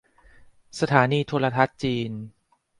สถานีโทรทัศน์จีน